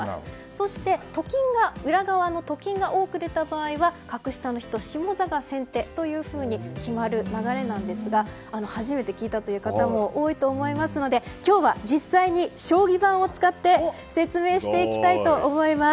そして、裏の「と」が多く出た場合は格下の人下座が先手と決まる流れですが初めて聞いた方も多いと思いますので今日は実際に将棋盤を使って説明していきたいと思います。